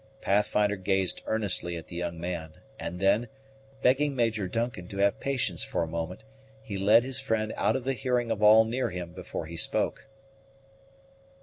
Pathfinder gazed earnestly at the young man; and then, begging Major Duncan to have patience for a moment, he led his friend out of the hearing of all near him before he spoke.